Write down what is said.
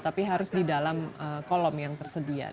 tapi harus di dalam kolom yang tersedia